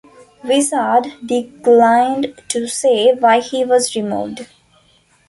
"Wizard" declined to say why he was removed.